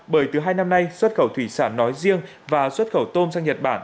bởi từ hai năm nay xuất khẩu thủy sản nói riêng và xuất khẩu tôm sang nhật bản